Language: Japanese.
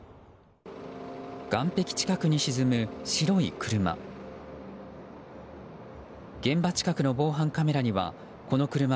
岸壁近くに沈む白い車。